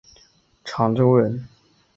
长洲人。